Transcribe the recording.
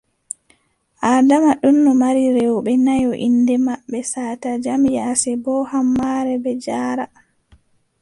Adama ɗonno mari rewɓe nayo inɗe maɓɓe: Sata Jam, Yasebo, Hammare, Jaara.